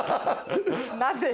なぜ？